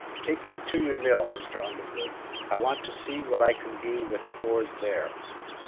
Take me to your mill, Mr. Underwood; I want to see what I can do with the ores there."